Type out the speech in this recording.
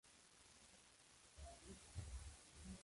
Muchos fueron los poemas y discursos que dejó.